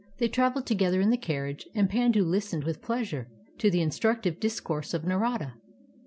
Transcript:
They traveled together in the carriage and Pandu lis tened with pleasure to the instructive discourse of Narada.